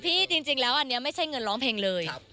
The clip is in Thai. จริงแล้วอันนี้ไม่ใช่เงินร้องเพลงเลย